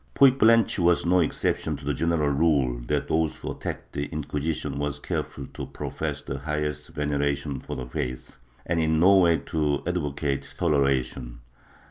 ^ Puigblanch was no exception to the general rule that those who attacked the Inquisition were careful to profess the highest vene ration for the faith and in no way to advocate toleration.